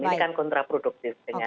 ini kan kontraproduktif